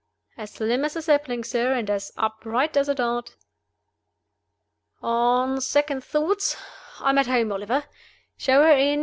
"As slim as a sapling, sir, and as upright as a dart." "On second thoughts, I am at home, Oliver. Show her in!